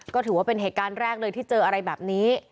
ก็ถือว่าเป็นเหตุการณ์แรกเลยที่เจออะไรแบบนี้